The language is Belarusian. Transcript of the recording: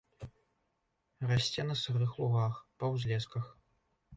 Расце на сырых лугах, па ўзлесках.